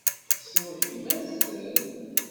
Tessneḍ gmat-nsen?